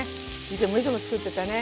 いつもいつも作ってたね。